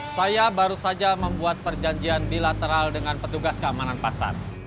saya baru saja membuat perjanjian bilateral dengan petugas keamanan pasar